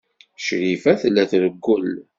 Crifa tella trewwel.